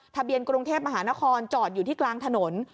ทะเบียนกรุงเทพมหานครจอดอยู่ที่กลางถนน